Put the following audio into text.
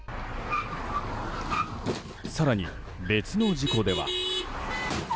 更に別の事故では。